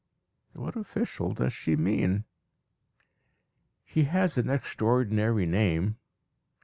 (What official does she mean?) "He has an extraordinary name.